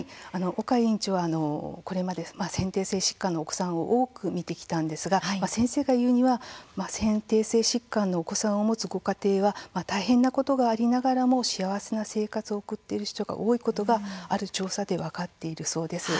岡院長は、これまで先天性疾患のお子さんを多く診てきたんですが先生が言うには先天性疾患のお子さんを持つご家庭は大変なことがありながらも幸せな生活を送っている人が多いことがある調査で分かっているそうです。